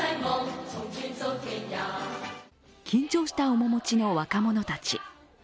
緊張した面持ちの若者たち。